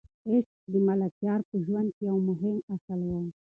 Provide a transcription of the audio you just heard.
عشق د ملکیار په ژوند کې یو مهم اصل و.